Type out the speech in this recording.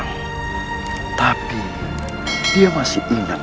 tidak ada yang bisa diberi